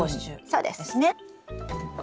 そうです。